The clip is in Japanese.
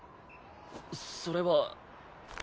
それは。